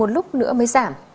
một lúc nữa mới giảm